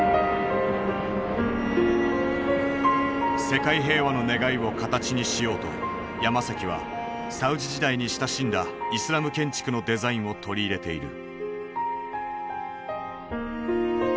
世界平和の願いを形にしようとヤマサキはサウジ時代に親しんだイスラム建築のデザインを取り入れている。